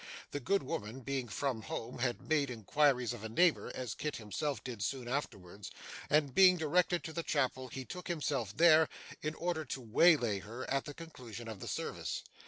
The good woman being from home, he made inquiries of a neighbour, as Kit himself did soon afterwards, and being directed to the chapel be took himself there, in order to waylay her, at the conclusion of the service.